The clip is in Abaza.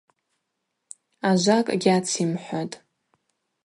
Ажвакӏ гьацйымхӏватӏ.